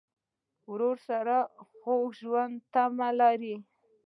ورور سره د خوږ ژوند تمه لرې.